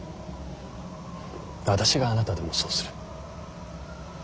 私があなたでもそうする。